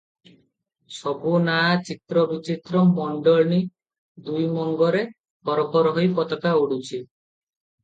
ସବୁ ନାଆ ଚିତ୍ର ବିଚିତ୍ର ମଣ୍ଡନୀ ଦୁଇ ମଙ୍ଗରେ ଫରଫର ହୋଇ ପତାକା ଉଡୁଛି ।